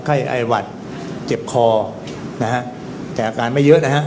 ไข้ไอหวัดเจ็บคอนะฮะแต่อาการไม่เยอะนะฮะ